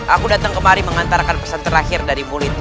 aku datang kemari mengantarkan pesan terakhir dari mulutmu